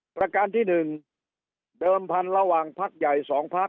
ประการที่๑เดิมพันธุ์ระหว่างพักใหญ่๒พัก